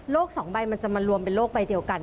โรคสองใบมันจะมารวมเป็นโรคใบเดียวกัน